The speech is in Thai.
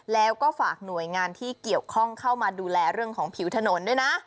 แล้วก็ฝากหน่วยงานที่เกี่ยวข้องเข้ามาดูแลเรื่องของผิวถนนด้วยนะ